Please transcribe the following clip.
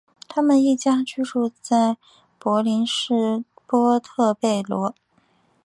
他们一家居住在都柏林市波特贝罗。